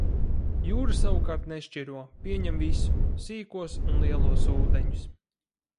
Jūra savukārt nešķiro, pieņem visu – sīkos un lielos ūdeņus.